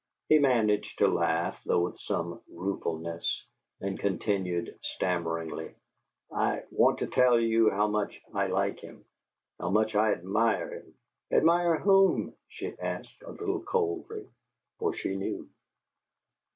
He managed to laugh, though with some ruefulness, and continued stammeringly: "I want to tell you how much I like him how much I admire him " "Admire whom?" she asked, a little coldly, for she knew.